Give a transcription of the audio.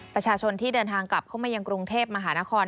ประชาชนที่เดินทางกลับเข้ามายังกรุงเทพมหานคร